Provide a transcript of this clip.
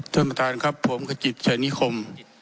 เชิญประทานครับผมขจิตแฉนิคอม